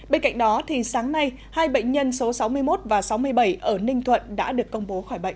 bên cạnh đó sáng nay hai bệnh nhân số sáu mươi một và sáu mươi bảy ở ninh thuận đã được công bố khỏi bệnh